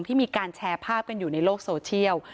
ที่มีการแชร์ภาพกันอยู่ในโลกโซเชียล